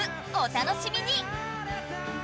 お楽しみに！